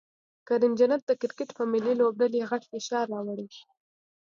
کریم جنت د کرکټ په ملي لوبډلې غټ فشار راوړي